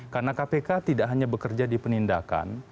karena kpk tidak hanya bekerja di penindakan